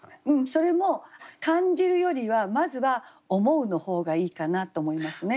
それも「感じる」よりはまずは「思う」の方がいいかなと思いますね。